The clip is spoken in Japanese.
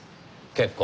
結構。